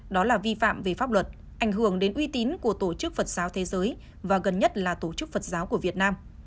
đó là vi phạm về pháp luật ảnh hưởng đến uy tín của tổ chức phật giáo thế giới và gần nhất là tổ chức phật giáo của việt nam